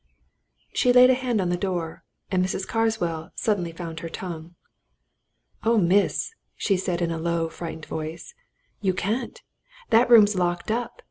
She laid a hand on the door and Mrs. Carswell suddenly found her tongue. "Oh, miss!" she said, in a low, frightened voice, "you can't! That room's locked up.